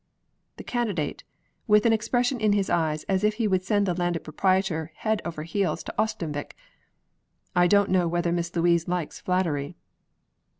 The Candidate (with an expression in his eyes as if he would send the Landed Proprietor head over heels to Oestanvik) I don't know whether Miss Louise likes flattery.